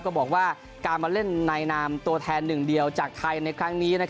ก็บอกว่าการมาเล่นในนามตัวแทนหนึ่งเดียวจากไทยในครั้งนี้